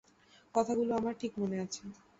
কথাগুলো আমার ঠিক মনে আছে।